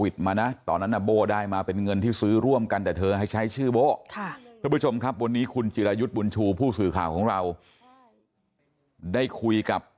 ก็เป็นคนก่อเหตุนั่นแหละ